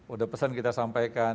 udah pesan kita sampaikan